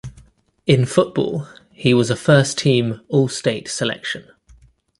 In football, he was a first team All-State selection.